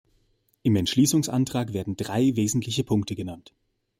Im Entschließungsantrag werden drei wesentliche Punkte genannt.